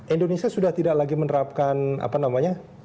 indonesia sudah tidak lagi menerapkan apa namanya